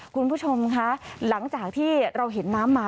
คุณผู้ชมคะหลังจากที่เราเห็นน้ำมา